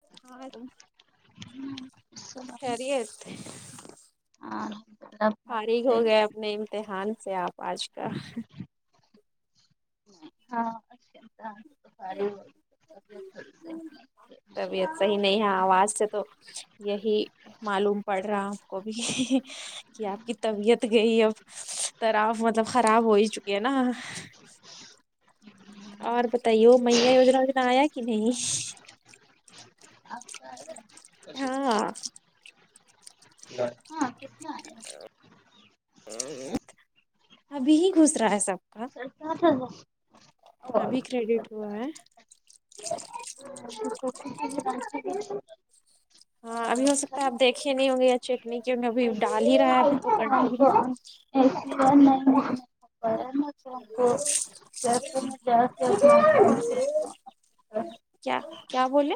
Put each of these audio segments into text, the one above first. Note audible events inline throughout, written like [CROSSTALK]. [UNINTELLIGIBLE] ہم سناؤ خیریت آ فارغ ہو گئے اپنے امتحان سے آپ آج کا ہاں [INAUDIBLE] طبیعت صحیح نہیں ہے آواز سے تو یہی معلوم پڑ رہا آپ کو بھی کہ آپ کی طبیعت گئی اب تراف مطلب خراب ہو ہی چکی ہے نا اور بتائیے میا یجنا وجنا آیا کہ نہیں آپ کا آیا ہاں ہاں کتنا آیا ابھی ہی گھس رہا ہے سب کا کیا تھاا [INAUDIBLE] ابھی کریڈٹ ہوا ہے [UNINTELLIGIBLE] اچھا تو پھر ہاں ابھی ہو سکتا ہے آپ دیکھے نہیں ہوں گے یا چیک نہیں کیے ہوں گے ابھی ڈال ہی رہا ہے ہاں ابھی تو ادھر ا [UNINTELLIGIBLE] ادھر کنٹینیو ایسے بات نہیں [UNINTELLIGIBLE] [UNINTELLIGIBLE] کیا کیا بولے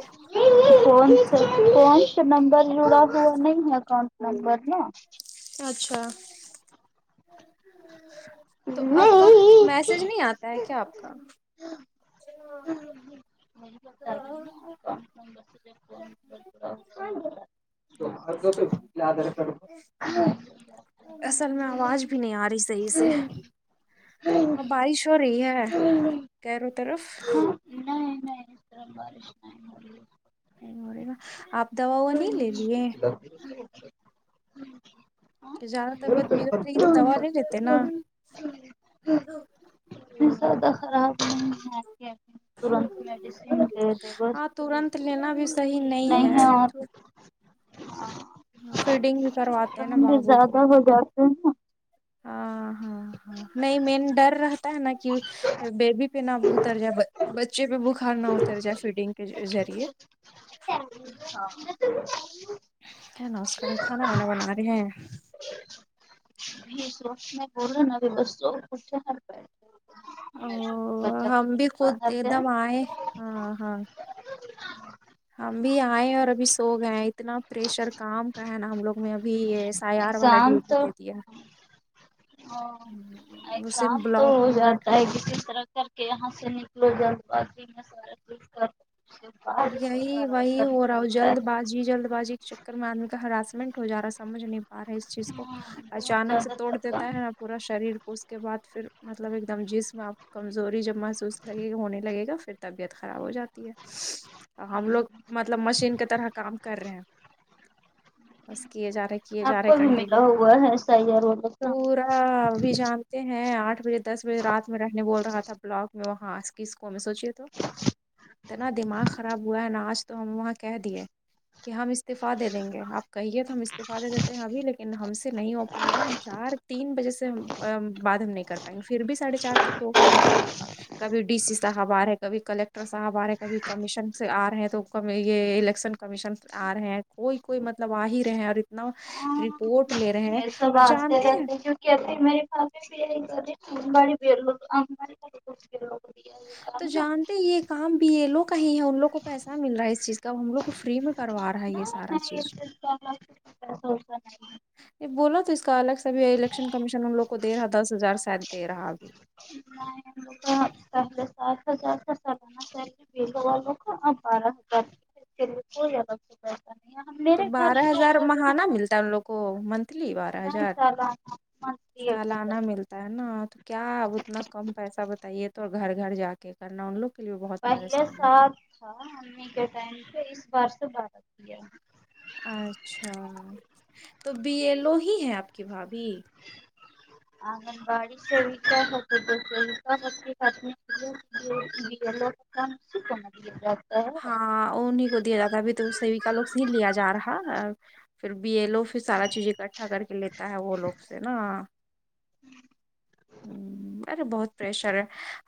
اکاؤنٹ نمبر جڑا ہوا نہیں ہے اکاؤنٹ نمبر نا اچھا تو آپ کا وہی میسج نہیں آتا ہے کیا آپ کا تو بتا رہی ہوں نا [INAUDIBLE] اکاؤنٹ نمبر سے جب فون تو آدر [UNINTELLIGIBLE] اصل میں آواز بھی نہیں آ رہی صحیح سے ہاں بارش ہو رہی ہے کیروں طرف نہیں نہیں اس طرح بارش نہیں ہو رہی نہیں ہوری نہ آپ دوا وا نہیں لے لیے [UNINTELLIGIBLE] زیادہ طبیعت بگڑ رہی اتنی دوا لیتے نا زیادہ خراب نہیں ہےب [UNINTELLIGIBLE] تورند میڈیسین لیتے بس ہاں ترنت ٹھیک لینا بھی صحیح ٹھیک نہیں ہے اور فیڈگ بھی کروات بہت زیادہ ہو جاتے ہیں نا ہاں ہاں ہاں نہیں مین ڈر رہتا ہے نا کہ بیبی پہ نہ اتر جائے بچے پہ بخار نہ اتر جائے فیڈنگ کے ذریعے ہے ناس کرے کھانا وانا بنا رہے ہیں [UNINTELLIGIBLE] او بچہ کو ہم لے بھی کے خود باہر ایک گئے دم آئے ہاں ہاں ہم بھی آئے اور ابھی سو گئے ہیں اتنا پریشر کام کا ہے نا ہم لوگ میں ابھی یہ تیار والا ایگزام ڈیوٹی تو دے دیا اسی ایکزام تو بلاک ہو میں جاتا بیٹھا ہے کسی طرح کر کے یہاں سے نکلو جل بازی میں سارا کوچ کر [UNINTELLIGIBLE] جی جلد بازی کے چکر میں آدمی کا ہراسمنٹ ہو جا سمجھ نہیں ا رہا ہے اس چیز کو بہت اچانک سے زیادہ توڑ تھکا دیتا ہے پورا شریر کو اس کے بعد پھر مطلب ایک دم جسم آپ کمزوری جب محسوس لگے گا ہونے لگے گا پھر طبیعت خراب ہو جاتی ہے اور ہم لوگ مطلب مشین کی طرح کام کر رہے ہیں بس کیے جا رہے کیے آپ جا رہے کو بھی ملا کنٹینیو ہوا ہے ایس آئی آر والو کا اب بھی جانتے ہیں آٹھ بجے دس بجے رات میں رہنے بول رہا تھا بلاک میں وہاں کس کو میں سوچیے تو اتنا دماغ خراب ہوا ہے نا آج تو ہم وہاں کہہ دیے کہ ہم استعفا دے دیں گے آپ کہیے تو ہم استعفا دے دیتے ہیں ابھی لیکن ہم سے نہیں ہو پائے گا ہم چار تین بجے سے ہم پر ہم بعد ہم نہیں کر پائیں گے پھر بھی سڑھے چار تک روک لیا کبھی ڈی سی صاحب آ رہے کبھی کلیکٹر صاحب آ رہے ہیں کبھی کمیشن سے آ رہے ہیں تو ک یہ الیکشن کمیشن آ رہے ہیں کوئی کوئی مطلب آ ہی رہے ہیں اور اتنا رپورٹ لے رہے ہیں یہ سب اور آتے جانتے ہیں [UNINTELLIGIBLE] دیا یہ تو کام نا جانتے یہ کام بھی یہ لوگ کا ہی ہے ان لوگ کو پیسہ مل رہا ہے اس چیز کا ا ہم لوگ کو فری میں کروا رہا ہے یہ سارا چیز [UNINTELLIGIBLE] پسو ہوس نہیں [INAUDIBLE] یہ بولو تو اس کا الگ سے بھی الیکشن کمیشن ان لوگ کو دے رہا دس ہزار ساید دے رہا ابھی [UNINTELLIGIBLE] لوگ پہلے سات جات سنا چاہے بیسو والوں کا ا بارہ ہزارے [UNINTELLIGIBLE] کو زیاد سےتا ہے ہم تو میرے گھر بارہ کے لوگ ہزار کر رہے مہانہ تھے ملتا ہے ان لوگ کو من لی بارہ نہیں جات سالانہ منتھلی ایک سالانہ ہزار مل ہوتا ہے نا تو کیا اتنا کم پیسہ بتائیے تو گھر گھر جا کے کرنا ان لوگ کے لیے بہت پریشان ہے ہاں امی کے ٹائم پہ اس بار سے باتت کیا اچھا تو بی ایل او ہی ہے آپ کی بھابھی آنگن باڑی سے وار ہوتے تو س وارتی بمی [INAUDIBLE] [UNINTELLIGIBLE] یے لوگ کم سے کم ہے یے لوگ ہاں اوڑنے کو دے رہا تھا ابت تو سیو کاا لوگ سے ہی لیا جا رہا پھر بی اے لو پھر سارا چیزیں بیٹھا کر کے لیتا ہے وہ لوگ سے نا ہمم ارے بہت پریشر ہے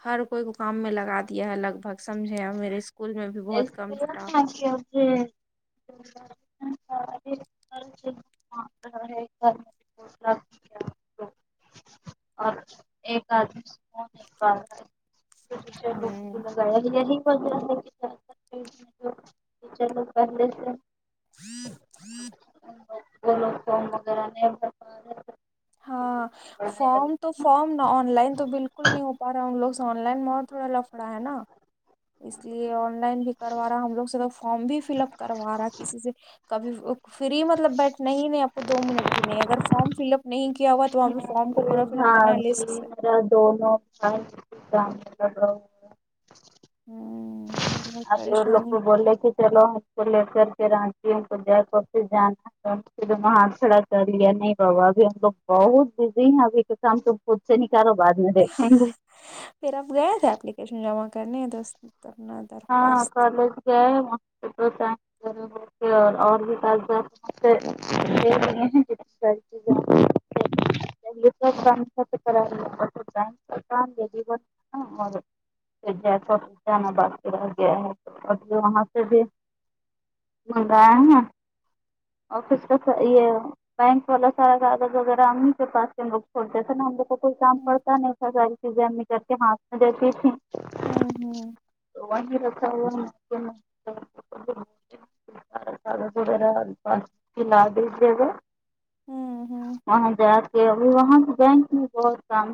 ہر کوئی کو کام میں لگا دیا ہے لگ بھگ سمجھے میرے اسکول میں بھی بہت کم اور اسٹاف [INAUDIBLE] ہاں [UNINTELLIGIBLE] اور ایک آدمی کو نہیں پا رہا ہے ہوں گا ہی ب [INAUDIBLE] ٹیچر لوگ ٹیچر لوگ پہلے سے وہ لوگ فارم وغیرہ نہیں بھر پا ہاں رہے فارم تھے تو فارم نا آن لائن تو بالکل نہیں ہو پا رہا ان لوگ سے آن لائن موڈ تھوڑا لفڑا ہے نا اس لیے آن لائن بھی کروا رہا ہے ہم لوگ سے تو فارم بھی فل اپ کروا رہا ہے کسی سے کبھی فری مطلب بیٹھنا نہیں نہیں آپ کو دو منٹ بھی نہیں اگر فارم فل اپ نہیں کیا ہوا تو وہاں پہ فارم کو پورا فل اپ کرنا ہاں ہے جی لسٹ سے میرا دونوں [INAUDIBLE] ہوں آ جو لو بول کہ چل ل کے [UNINTELLIGIBLE] رٹی ان د کرتی ج وہ ہاں کھڑا کر لیا نہیں بابا ابھی ہم لوگ بہت بزی ہیں ابھی کے کام تو خود سے نکالو بعد میں دیکھیں تے پھر اب گئے تھے اپلیکیشن جمع کرنے تو درنادر ہاں کالج گ ہے م تو [INAUDIBLE] [INAUDIBLE] [UNINTELLIGIBLE] [UNINTELLIGIBLE] گیا ہے [UNINTELLIGIBLE] وہاں سے بھی منگایا ہے ن آفس کاسا یہ بینک والا سارا کاغذ وغیرہ امی کے پاس ہم ل کھولتے تھے نا ہم لوگ کوئی کام ہ پڑتا نہیں پڑتا اسلے امی کرکے ہاتھ میں دیتی تھی ہوں ہوں تو وہیں رکھا ہوا ہے نہ [INAUDIBLE] سار س وغیرہلا دیجیے گا [UNINTELLIGIBLE] ہوں ہوں وہاں جا کے ابھی وہاں سے بینک میں بہت کام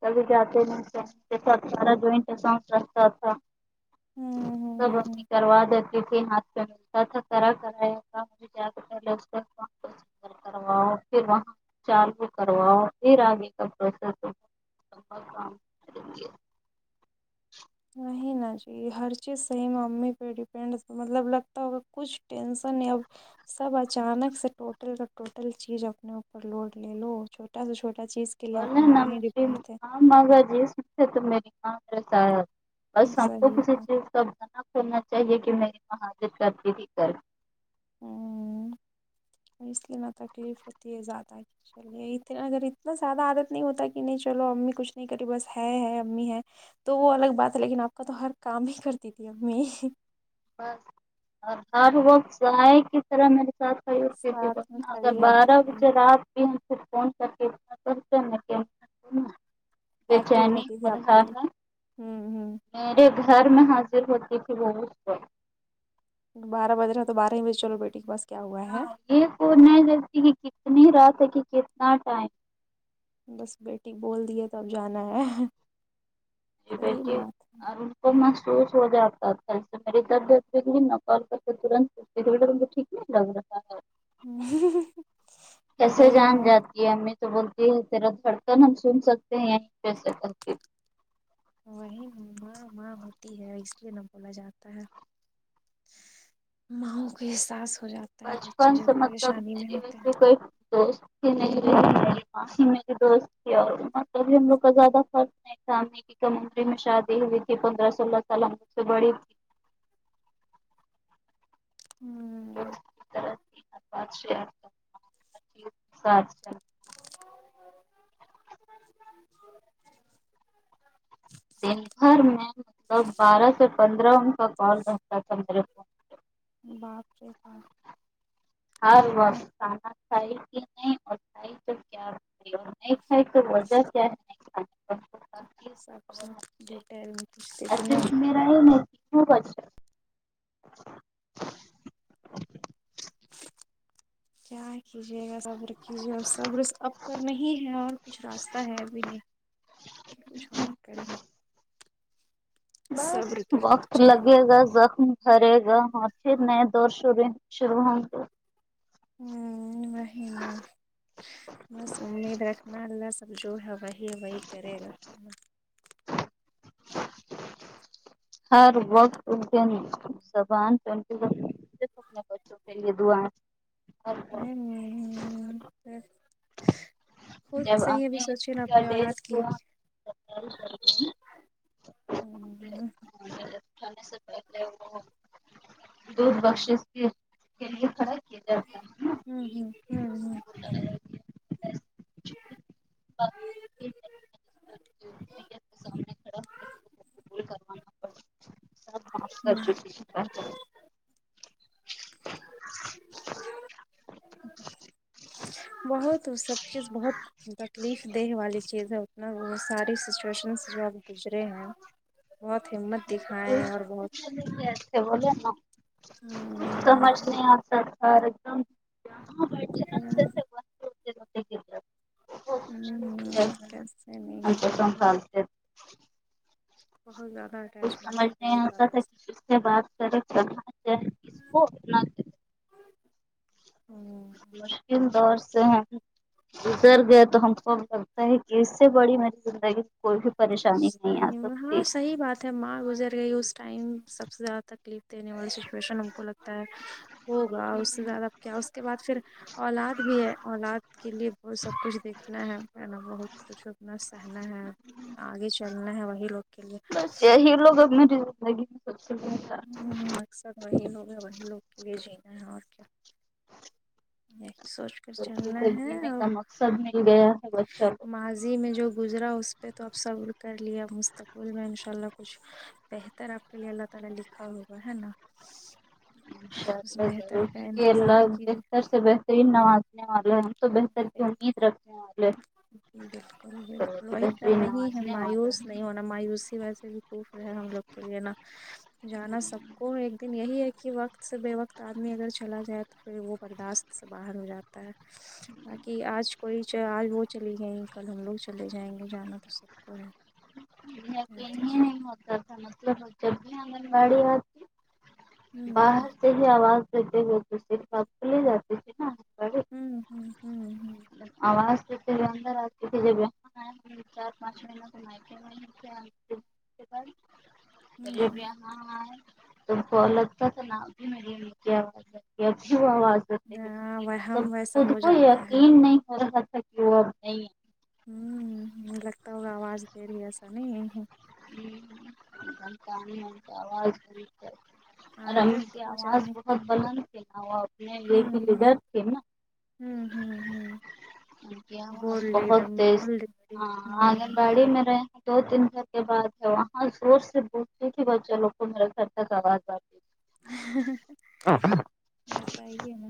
کبھی جاتے [UNINTELLIGIBLE] نہیںارا جوائنٹ اساٹ رکھتا تھا سب ہ ہ امی کروا دیتی تھی ہاتھ پہ ملتا تھا کرا کرایا کام [INAUDIBLE] کرواؤ پھر وہاں چالو کرواؤ پھر آگے کا پروسیس اور کام نہیں نا جی ہر چیز صحیح امی پہ ڈپینڈ مطلب لگتا ہوگا کچھ ٹینسن یا سب اچانک سے ٹوٹل کا ٹوٹل چیز اپنے اوپر لوڈ لے لو چھوٹا سہ چھوٹا چیز کے لیے آپ ان پہ ہی ڈیپینڈ تھے مگا جی سے تو میری [UNINTELLIGIBLE] ماںسا بس ہم کو صحیح کسی بات چیز کا کرنا چاہیے کہ میری [UNINTELLIGIBLE] مہا ر ت کرتی ت کر ہمم اس لیے نہ تکلیف ہوتی ہے زیادہ کی چلیے اتنا اگر اتنا زیادہ عادت نہیں ہوتا کہ نہیں چلو امی کچھ نہیں کر رہی بس ہے ہے امی ہے تو وہ الگ بات ہے لیکن آپ کا تو ہر کام ہی کرتی تھی امی بس اور ہارڈ ورک آئے کس طرح میرے ساتھ صحیح بالکل ساتھ میں اگر کھڑی ہوتی بارہ تھی بجے رات [UNINTELLIGIBLE] فون کرکے ایکٹو بیچانی رہتی [UNINTELLIGIBLE] تھی اور آپ ہ کے لیے ہا ہوں ہوں میرے گھر میں حاضر ہوتی تھی وہ اس پر بارہ بج رہا تو بارہ ہی بجے چلو بیٹی کے بس کیا ہوا ہے پ نہ جلتی کی کتنی رات ت کہ کتنا ٹائم بس بیٹی بول دیے تب جانا ہے کی دار صحیح کی بات ہے۔ اور وہ محسوس ہو جاتا کل سے میری [UNINTELLIGIBLE] تردیت نک کر تنت توت تو کو ٹھیکاا [UNINTELLIGIBLE] نہیں کیسے جان جاتی ہے امی تو بولتی ہے تیرا دھڑکن ہم سن سکتے ہیں کیسے کرتی وہی ماں ماں ہوتی ہے اس لیے نہ بولا جاتا ہے ماؤں کو احساس ہو جاتا ہے بچے بچپن جب سے مطلب پریشانی میں ہوتے ویسے ہیں کوئی دوست میری دوست تھی اور مطلب بھی ہم لوگ کا زیادہ فرق ہے سامی کی کم عمری میں شادی ہوئی تھی پندرہ سولہ سال ہم سے بڑی تھی ہوں ر سات [INAUDIBLE] دن بھر میں مطلب بارہ سے پندرہ ان کا کال رہتا تھا میرے فون باپ رے باپ ہر تب ہمیں وقت کھانا کھای کہ نہیں اور کھای تو کیا کھای نہیں کھائے تو م جات ہے نہیں [UNINTELLIGIBLE] کی سب سے خبر ہونی چاہیے ڈیٹیل میں پچھتے تھے نا ٹ بچ [UNINTELLIGIBLE] کیا کیجیے گا صبر کیجیے اور صبر اپ تو نہیں ہے اور کچھ راستہ ہے ابھی نہیں کہ کچھ اور کریں گ بس کر کے وقت چلو لگے گا زخم بھرے گا ہاں اور پھر نئے دوسرا دن شروع ہوں تو ہوں وہی نا بس امید رکھنا اللہ سب جو ہے وہی وہی کرے گا ہر وقت انکی زبان [UNINTELLIGIBLE] چلیے دعائیں ہر وقت [UNINTELLIGIBLE] خود جب صحیح ابھی امی سوچیئیے نا کا اپنی ڈیل اولاد کے لے ہوا [UNINTELLIGIBLE] ہوں آہا میت اٹھانے سے پہلے وہ دودھ بخشش کے کے لیے کھڑے ہوں ہوں ہوں ہوں سامنے [INAUDIBLE] [UNINTELLIGIBLE] قبول کروانا پڑ مم سب معاف کر چکی ہوں پہلے بہت وہ سب چیز بہت تکلیف دہ والی چیز ہے ا وہ ساری سچویشن جو اب گزرے ہیں بہت ہمت دکھائے اور بہت بولے نا [UNINTELLIGIBLE] ہوں کچھ سمجھ نہیں آ سکتا ایک دم کیسے نہیں اچھا س سال [UNINTELLIGIBLE] بہت زیادہ ہے کچھ سمجھ نہیں آتا تھا کہ کس سے بات کرے کہاں جائے کس کو اپنا کہے مشکل دور سے ہم گزر گیا تو ہم کو اب لگتا ہے کہ اس سے بڑی میری زندگی کوئی بھی پریشانی نہیں آ سکتی جب ماں گزر گئی اس ٹائم سب سے زیادہ ت کلیف دینے والی سچویشن ہم کو لگتا ہے ہوگا اس سے زیادہ اب کیا اس کے بعد پھر اولاد بھی ہے اولاد کے لیے بہت سب کچھ دیکھنا ہے نا بہت کچھ اپنا سہنا ہے آگے چلنا ہے وہی لوگ کے لیے بس یہی لوگ اب میری زندگی میں سب کچھ ہے ہوں اکثر وہی لوگ ہیں وہی لوگ کے لیے جینا ہے اور کیا یہی سوچ کر چلنا ہے جینے اب کا مقصد مل گیا ہے بچہ کو ماضی میں جو گزرا اس پہ تو اب صبر کر لیا مستقبل میں ان شاء اللہ کچھ بہتر آپ کے لیے اللہ تعالی لکھا ہوگا ہے نا انشاء اس اللہ بہتر ضرور کا کیوںکہ اللہ انتظار کیجیے بہتر سے بہترین نوازنے والے ہے تو بہتر کی امید رکھنے والے بالکل بالکل تو وہی کر بہترین رہی ہیں نوازنے والا ہے مایوس نہیں ہونا مایوسی ویسے بھی کفر ہے ہم لوگ کے لے نا جانا سب کو ایک دن یہی ہے کہ وقت سے بے وقت آدمی اگر چلا جائے تو پھر وہ برداشت سے باہر ہو جاتا ہے باقی آج کوئی آج وہ چلی گئیں کل ہم لوگ چلے جائیں گے جانا تو سب کو ہے کیا یقین ہی کیجیے نہیں ہوتا تھا مطلب وہ جب بھی آنگن واڑی آتی ہوں ہوں باہر سے ہی آواز دیتے ہوے [UNINTELLIGIBLE] ہوں ہوں ہوں ہوں آواز دیدتے ہوئے اندر اتے تھے جب یقین آئے چار پانچ مینوں ہوں [UNINTELLIGIBLE] ہاں تو ب لگتا تھا نا ا بھی میری امی کی آواز لتی اچھی وہ آواز دیتے ہاں ہوئے، وہم مطلب و سب خود ہو کو جاتا ہے یقین نہیں [UNINTELLIGIBLE] وہ اب نہیں ہے ہوں لگتا ہوگا آواز دے رہی ایسا نہیں ہ کاانی کا آواز خری [UNINTELLIGIBLE] اور امی عادت کی ہو آواز جانے بہت بلند تھی میں کی۔ لے ہوں ہوں کے ہوں ہوں ہوں [UNINTELLIGIBLE] آواز بولڈ ایک بہت دم تیز بولڈ میری ہاں آگن ہوں باڑی میں دو تین گھر کے بعد ہے وہاں زور سے بولتی ت وہ چلوں کو میرے گھر تک آواز آ بتائیے نا